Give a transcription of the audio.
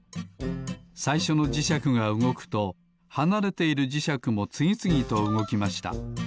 さいしょのじしゃくがうごくとはなれているじしゃくもつぎつぎとうごきました。